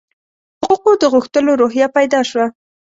حقوقو د غوښتلو روحیه پیدا شوه.